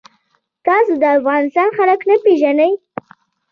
تاسو د افغانستان خلک نه پیژنئ.